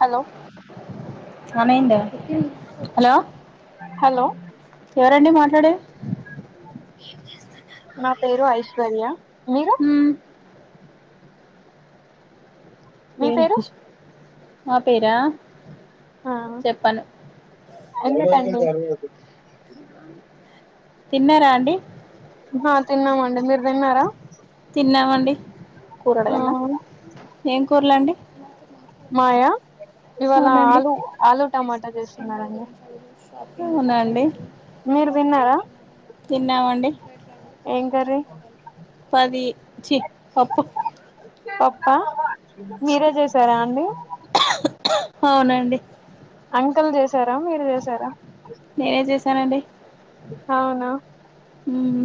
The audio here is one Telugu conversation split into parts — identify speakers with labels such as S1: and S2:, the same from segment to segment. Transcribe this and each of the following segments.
S1: హలొ
S2: హలో
S1: హలో
S2: ఎవరండి మాట్లాడేది ఎం చేస్తున్నారు మ
S1: నా పేరు ఐశ్వర్య మీరు మీ పేరు
S2: మా పేరా
S1: హా
S2: చెప్పను
S1: అవునటనిపించింది
S2: తిన్నరా అం
S1: అహ తిన్నామండి మీరు తిన్నారా
S2: తిన్నామండి
S1: ఆ
S2: కూరడగాల్న ఏం కూరలండి
S1: మాయా ఇవాళ
S2: అవునండి
S1: ఆలు ఆలు టమాటా చేస్తున్నారండి
S2: ట్లు ఉన్నాయ అండి
S1: మీరు విన్నారా
S2: తిన్నామండి
S1: ఏం కర్రీ
S2: ది చి పప్పు
S1: పప్ప మీరే జేసారా అండి
S2: అవునండి
S1: అంకుల్ జేసారా మీరు జేసారా
S2: సరేండి
S1: అవునా
S2: ఉమ్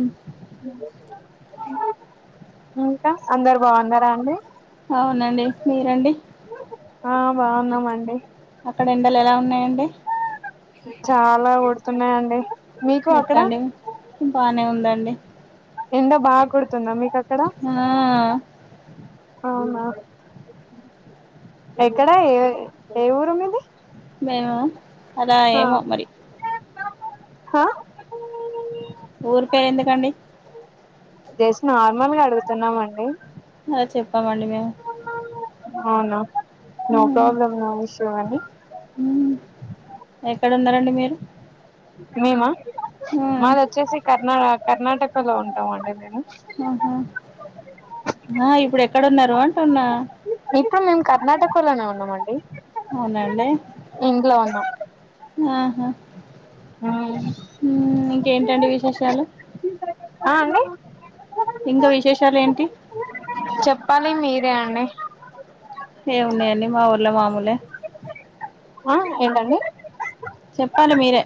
S1: ఇంకా అందరు బాగున్నరా అండి
S2: అవునండి మీరండి
S1: ఆ బాగున్నామండి
S2: అక్కడ ఎండలు ఎలా ఉన్నాయండి
S1: చాలా కొడుతున్నాయండి మీకు అక్కడ
S2: ఎట్లాండి బానే ఉందండి
S1: ఎండ బాగ కోడుతుంద మీ
S2: హా అ
S1: అవునా ఎక్కడా ఏ ఊరు మీది
S2: మేమ అదా ఏమో మరి
S1: హ
S2: ఊరు పేరు ఎందుకండి
S1: జశ్ నార్మల్గా అడుగుతున్నామండి
S2: అ చెప్పమండి మేము
S1: అవును నో ప్రాబ్లమ్ నో ఇష్యూ అండి
S2: ఎక్కడ ఉన్నారండి మీరు
S1: మేమ మాది వచ్చేసి కర్ణా కర్ణాటకలో ఉంటాం అండి మేము.
S2: అహా ఆ ఇప్పుడు ఎక్కడున్నారు అంటున్నా
S1: ఇప్పుడు మేము కర్ణాటకలోనే ఉన్నాం అండి
S2: అవునండి
S1: ఉన్నాం
S2: ఆహా ఉమ్ ఇంకేంటండి విశేషాలు
S1: ఆ అండి
S2: ఇంక విశేషాలేంటి
S1: చెప్పాలి మీరే అండి
S2: ఏమున్నాయ్ అండి మా ఊళ్లే మామూళ్లే
S1: హా ఏంటండి
S2: చెప్పాలి మీరే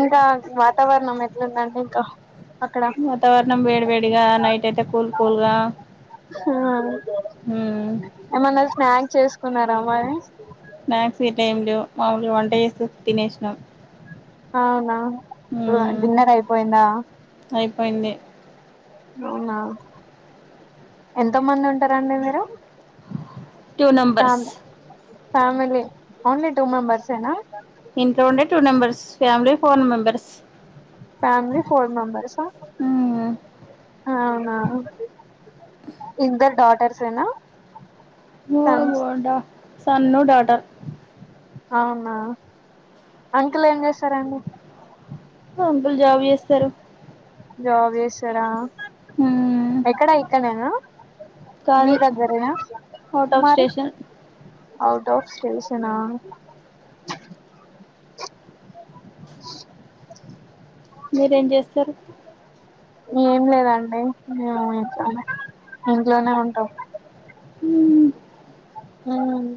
S1: ఇంకా వాతావరణం ఎట్లుందండి ఇక
S2: వాతావరణం వేడి వేడిగా నైట్ అయితే కూల్ కూల్ గ
S1: హా ఏమన్నా స్నాక్ చేసుకున్నారా మరి
S2: స్నాక్స్ ఇట్లేంలేవ్ మామూలుగ వంట చేస్తూ తినేసినం
S1: అవునా అ డిన్నర్ అయిపోయిందా
S2: అయిపోయింది
S1: అవునా ఎంత మంది ఉంటారండి మీరు
S2: టు నంబర్స్
S1: ఫ్యామ్ ఫ్యామిలీ ఓన్లీ టూ మెంబర్స ఏనా
S2: ఇంట్లో ఉండే two numbers family four members
S1: family four members అ అవునా ఇందర్ డాటర్స్ ఏనా
S2: ఓ
S1: సన్స్
S2: ఓ డ సన్ను డాటర్
S1: అవునా అంకల్ ఏం చేస్తారండి
S2: ఒ అంకుల్ జాబ్ జెస్తారు
S1: జాబ్ చేస్తారా
S2: మ్మ్.
S1: ఎక్కడ ఇక్కనేనా మీ
S2: కాదు
S1: దగ్గరేనా
S2: అవుట్ ఆఫ్
S1: మరి
S2: స్టేషన్
S1: అవున్ టాప్ స్టేషనా
S2: మీరేం చేస్తారు
S1: ఏం లేదండి మేము ఇంట్లోనే ఉంటాం
S2: ఉమ్
S1: మ్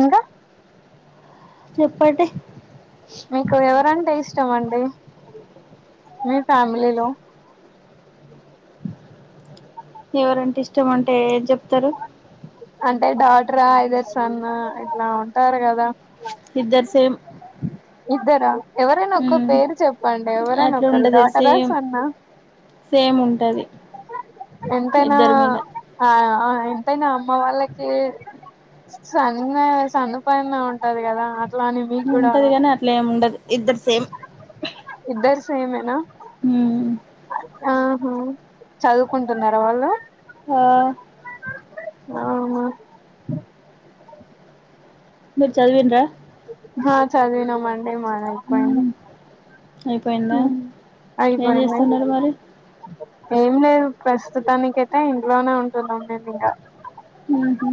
S1: ఇంకా
S2: చెప్పటే
S1: మీకు ఎవరంటే ఇష్టం అండి మీ ఫ్యామిలీలో
S2: ఎవరంటే ఇష్టం అంటే ఏమ్ చెప్తారు
S1: అంటే డాటరా ఐదర్ సన్న ఇట్లా ఉంటారు కదా
S2: ఇద్దర్ సేమ్
S1: ఇద్దరా ఎవరైనా ఒక
S2: మ్మ్.
S1: పేరు చెప్ పండే ఎవరైనా
S2: అట్లా
S1: ఒకరు
S2: ఉండదు
S1: డాటర్ అ
S2: సేమ్
S1: సన్ అ
S2: సేమ్ ఉంటది
S1: ఎంతేనా
S2: ఇద్దరి మీద
S1: అ అ ఎంతైనా అమ్మ వాళ్ళకి సన్న సన్న పైనే ఉంటది కదా అట్లా అని మీకు కూడా
S2: ఉంటది కాని అట్లా ఎమి ఉండదు ఇద్దరు సేమ్
S1: ఇద్దరు సేమెనా
S2: మ్మ్.
S1: ఆహా చదువుకుంటున్నారా వాళ్ళు
S2: ఆ,
S1: అవునా
S2: మీర్ చదివిండ్రా
S1: హా చదివినమండి మాది అయిపోయింది
S2: మ్మ్. అయిపోయిందా
S1: మ్
S2: ఏం
S1: అయిపోయింది
S2: చేస్తున్నారు మరి
S1: ఏం లేదు ప్రస్తుతానికయితే ఇంట్లోనే ఉంటున్నాం మేము ఇంకా
S2: ఉహు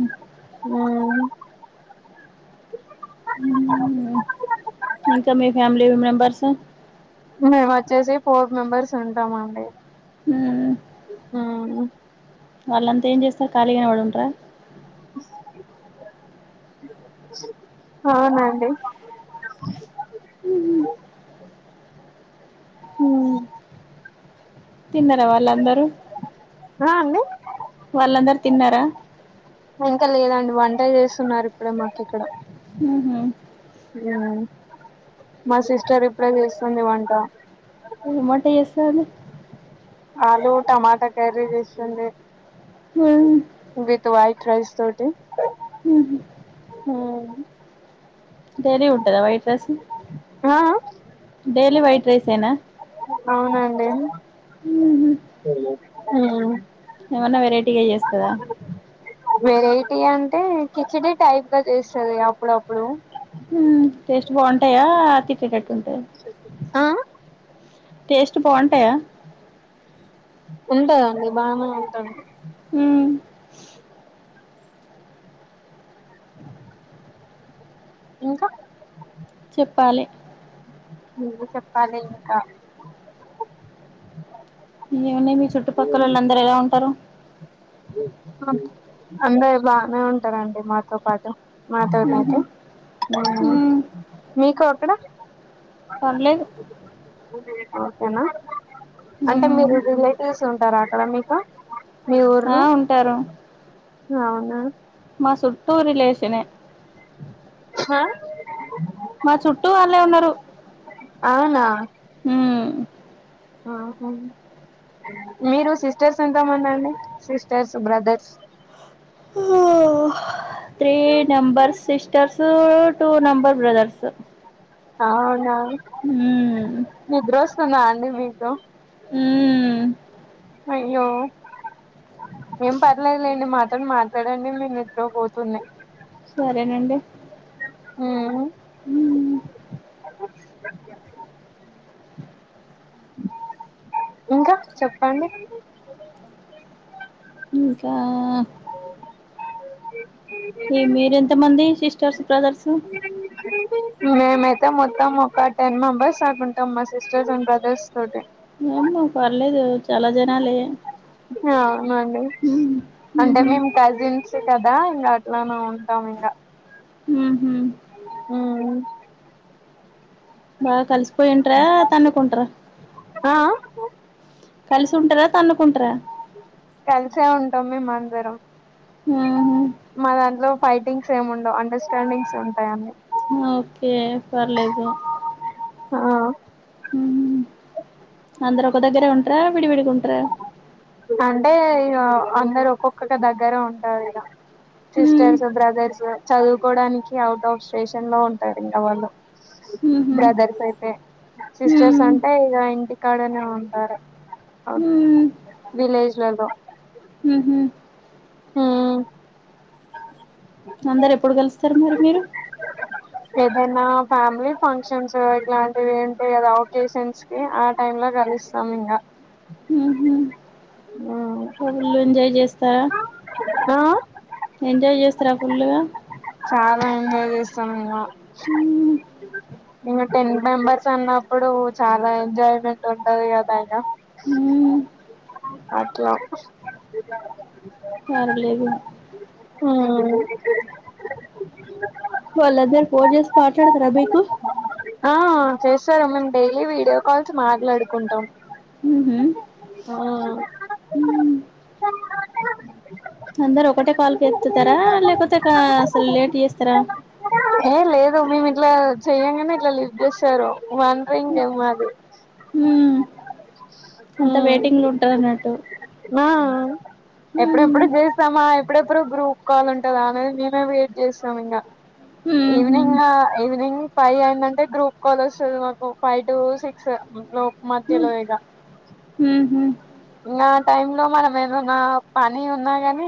S1: ఉమ్
S2: హ్మ్. ఇంకా మీ ఫ్యామిలీ మెంబర్స్
S1: మేమ వచ్చేసి ఫోర్ మెంబర్స్ ఉంటాం అండి
S2: హ్మ్.
S1: హ్మ్మ్
S2: వాళ్ళంతా ఏం చేస్తారు ఖాళీగానే వాడుంటార
S1: అవునండి
S2: మ్ హు
S1: ఉమ్
S2: తిన్నార వాళ్ళందరూ
S1: హ అండి
S2: వాళ్ళందరు తిన్నారా
S1: ఇంకా లేదండి వంట చేస్తున్నారు ఇప్పుడే మాక్ ఇక్కడ
S2: ఉహు
S1: ఉమ్ మా సిస్టర్ ఇప్పుడే చేస్తుంది వంట
S2: ఎం వంట చేస్తాంది
S1: ఆలు టమాటా కర్రీ చేస్తుంది
S2: మమ్
S1: విత్ వయిట్ రైస్ తోటి
S2: హుహు.
S1: ఆహ్
S2: డేలి ఉంటదా వైట్ రైస్
S1: ఆ
S2: డైలీ వైట్ రైస్ యేన
S1: ఉహ్
S2: ఏమన్నా వెరైటీగా చేస్తదా
S1: వెరైటీ అంటే కిచిడీ టైప్ గా చేస్తుంది అప్పుడప్పుడు
S2: హ్మ్. టేస్ట్ బాగుంటాయా తిట్టేటట్టు ఉంటాయా
S1: ఆ
S2: టేస్ట్ బాగుంటాయా
S1: ఉంటాదండి బానే ఉంటది ఇంకా
S2: చెప్పాలి
S1: నువ్వే చెప్పాలింకా
S2: ఏమున్నాయి మీ చుట్టపక్కలోలందరు ఎలా అంటారు
S1: అందరు బానే ఉంటారండి మాతో పాటు మాతో
S2: ఉహు
S1: పాటే ఉ మీకు అక్కడ
S2: పర్లేదు
S1: ఓకేనా అంటే మీరు
S2: ఉమ్
S1: రిలేటివ్స్ ఉంటారా అక్కడ మీకు మీ ఉర్రు
S2: టరు
S1: అవ్నా
S2: మా సుట్టూ రిలేషనే
S1: హా
S2: మా చుట్టూ వాళ్ళే ఉన్నరు
S1: అవ్నా ఆహా మీరు సిస్టర్స్ ఎంతమందండి sisters brothers
S2: three number sisters two number brothers
S1: అవ్నా
S2: ఉ
S1: నిద్రోస్తుందా అండి మీకు
S2: ఉమ్
S1: అయ్యో ఏం పర్లేదులేండి మాతోని మాట్లాడండి మీకు నిద్రపోతుంది
S2: సరేనండి
S1: ఉ
S2: ఉమ్
S1: ఇంకా చెప్పండి
S2: ఇంకా మీ-మీరేంత మంది సిస్టర్స్ బ్రదర్సు
S1: మేమైతే మొత్తం ఒక టెన్ మెంబర్స్ దాకుంటాం మా సిస్టర్స్ అండ్ బ్రదర్స్ తోటి
S2: మా పర్లేదు చాలా జనాలే
S1: అవునండి
S2: ఉమ్
S1: అంటే
S2: ఉహు
S1: మేము కజిన్స్ కదా ఇంగట్లానే ఉంటాం ఇంకా
S2: ఉహు
S1: ఉ
S2: బా కలిసిపోయింట్రా తన్నుకుంట్రా
S1: ఆ ఆ
S2: కల్సుంట్రా తన్నుకుంటారా
S1: కల్సే ఉంటాం మేమందరం
S2: ఉహు
S1: మా దాంట్లో ఫైటింగ్స్ ఏముండవు అండర్స్టాండింగ్స్ ఉంటాయి అన్నీ
S2: ఓకే పర్లేదు
S1: ఆ
S2: మ్మ్ అందరు ఒక దగ్గరే ఉంటరా విడివిడి గుంటార
S1: అంటే ఇగ అందరు ఒక్కొక్కక్క దగ్గర ఉంటారిగా
S2: మ్మ్
S1: సిస్టర్స్ బ్రదర్స్ చదువుకోవడానికి అవుట్ ఆఫ్ స్టేషన్ లో ఉంటారు ఇంగ వాళ్ళు
S2: మ్హూ
S1: బ్రదర్స్ అయితే సిస్టర్స్
S2: మ్మ్
S1: అంటే ఇగ ఇంటి కాడనే ఉంటారు ఒకే
S2: మ్మ్
S1: విలేజ్లల్లో
S2: మ్హూ
S1: హుమ్
S2: అందరు ఎప్పుడు కలుస్తరు మరి మీరు?
S1: ఏదైనా ఫ్యామిలీ ఫంక్షన్స్ ఇట్లాంటివి ఉంటయి కదా ఒకేషన్స్కి ఆ టైం లో కలుస్తామింగ
S2: మ్హూ
S1: ఉమ్
S2: ఫుల్ ఎంజాయ్ చేస్తారా?
S1: ఆ
S2: ఎంజాయి చేస్తరా ఫుల్లుగా
S1: చాలా ఎంజాయ్ చేస్తాం ఇంగ
S2: మ్మ్
S1: ఇంకా టెన్ మెంబర్స్ అన్నప్పుడు చాలా ఎంజాయ్మెంట్ ఉంటది కదా అయిన
S2: హు
S1: అట్ల
S2: పర్లేదు
S1: హ
S2: వాళ్ళందరు పోన్చేసి మాట్లాడతరా మీకు?
S1: ఆ చేస్తారమ్మ మేము డైలీ వీడియో కాల్స్ మాట్లాడుకుంటాం.
S2: మ్హూ
S1: ఆ
S2: మ్మ్ అందరు ఒకటే కాల్కి ఎత్తుతారా లేకపోతే అసలు లేట్ చేస్తారా?
S1: ఏ లేదు మేము ఇట్లా చెయంగనే ఇట్లా లీఫ్ట్ చేస్తరు వన్ రింగే మాది
S2: అంత
S1: ఉమ్
S2: వెయిటింగ్ లో ఉంటది అన్నట్టు
S1: ఆ ఎప్పుడెప్పుడు చేస్తామా, ఎప్పుడెప్పుడు గ్రూప్ కాల్ ఉంటదా, అనేది మేమే వెయిట్ చేస్తాం ఇంగ.
S2: ఊహూ
S1: ఈవినింగ్ ఈవినింగ్ ఫై అయ్యిందంటే టే గ్రూప్ కాల్ వస్తది. మాకు ఫైవ్ టు సిక్స్ లోక్ మధ్యలో ఇగా
S2: ఊహు
S1: నా టైమ్ లో మనం ఏమన్నా పని ఉన్నా కాని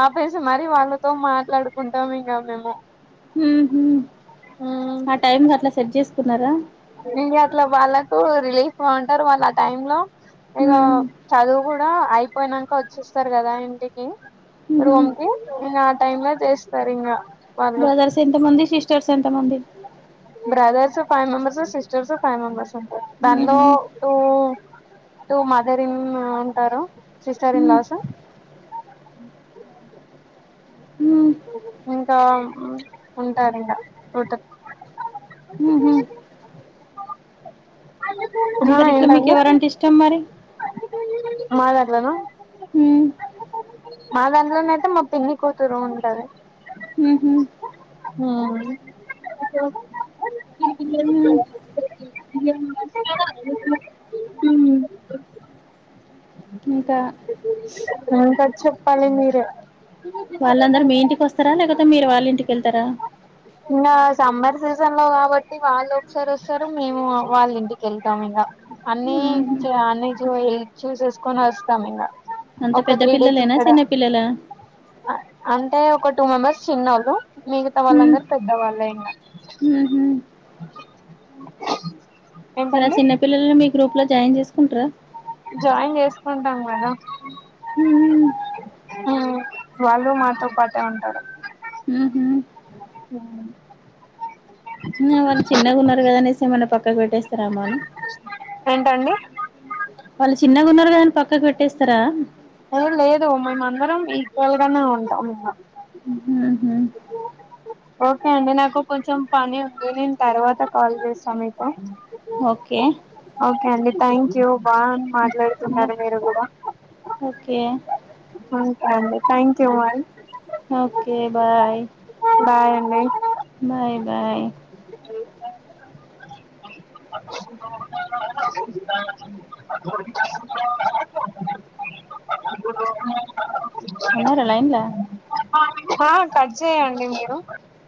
S1: ఆపేసి మరి వాళ్ళతో మ మాట్లాడుకుంటాం ఇంకా మేము
S2: ఉహు
S1: ఉమ్
S2: ఆ టైమ్ లో అట్లా సెట్ చేసుకున్నారా?
S1: ఏంది అట్ల వాళ్ళకు రిలీఫ్గా ఉంటారు వాళ్ళు ఆ టైమ్ లో ఇగ
S2: ఊ
S1: చదువు కూడా అ అయిపోయినంక వచ్చిస్తారు కదా ఇంటికి
S2: ఊహూ
S1: రూమ్ కి ఇంగ ఆ టైమ్ లో చేస్తరు ఇంగా
S2: బ్రదర్స్ ఎంత మంది సిస్టర్స్ ఎంత మంది?
S1: Brothers five members, sisters five members ఉంటరు
S2: ఊహూ
S1: దాంట్లోటూ టూ మదరరిం ఉంటారు సిస్టర్
S2: ఊ
S1: ఇన్ లాస్
S2: ఊ
S1: ఇంకా ఉంటారు ఇంగ ఉత [inaudible]
S2: ఊహూ ఇంతరిట్ల మీకు
S1: ఏంటండి
S2: ఎవరంటే ఇష్టం మరి?
S1: మా దాట్లన
S2: ఊ
S1: మా దాంట్లోనయితే మొత్తం పిన్ని కూతురు ఉంటరు
S2: ఊహూ
S1: హ
S2: ఊ
S1: [unintelligible]
S2: ఇంకా
S1: ఇంకా చెప్పాలి మీరే
S2: వాళ్ళందరు మీ ఇంటికొస్తారా లేకపోతే మీరు వాళ్ళింటికి ఎళ్తరా?
S1: ఇంగా సమ్మర్ సీజన్ లో కాబట్టి వాళ్ళు ఒకసారి ఒస్తారు. మేము వాళ్ళ ఇంటికి ఎళ్తాం ఇంగా అన్ని న్ని
S2: ఊహూ
S1: చూ అని చుయి చూసేసుకొని ఒస్తాం ఇంగ
S2: అంత
S1: ఒక
S2: పెద్ద
S1: త్రీ డేస్
S2: పిల్లలేనా
S1: ఇక్కడ
S2: చిన్న పిల్లలా
S1: అంటే ఒక టూ మెంబర్స్ చిన్నోళ్ళు మిగతా
S2: ఊ
S1: వాళ్ళందరు పెద్దవాళ్ళే ఇంగా
S2: మరా
S1: ఏంటండి
S2: చిన్నపిల్లల్ని మీ గ్రూప్ లో జాయిన్ జేసుకుంటర
S1: జాయిన్ జేసుకుంటాం కదా
S2: ఊ
S1: ఆ వాళ్ళు మాతో పాటే ఉంటరు
S2: ఊహూ
S1: య
S2: న వాళ్ళు చిన్నగున్నారు గదా అనేసి ఏమన్న పక్కకు పెట్టేస్తారెమో అని
S1: ఏంటండి
S2: గున్నారు గదా అని పక్కకు పెట్టేస్తారా
S1: ఓ లేదు మేమందరం ఈక్వల్ గానే ఉంటాం ఇంగ
S2: ఉహు
S1: ఓకే అండి నాకు కొంచెం పని ఉంది నేను తర్వాత కాల్ చేస్తా మీకు
S2: ఓకే
S1: ఓకే అండి థ్యాంక్ యూ
S2: బ
S1: బామాట్లాడుతున్నారు మీరు గూడ
S2: ఓకే
S1: ఉంటా అండి thank you bye
S2: okay bye
S1: bye అండి
S2: బాయ్ బాయ్ ఉన్నర లైన్ల
S1: హ కట్ చేయండి మీరు